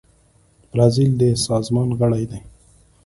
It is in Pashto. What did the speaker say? برازیل د سازمان غړی دی.